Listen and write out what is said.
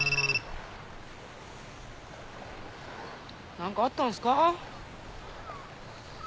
なんかあったんすか？